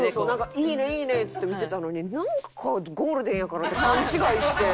「いいねいいね！」っつって見てたのになんかゴールデンやからって勘違いして。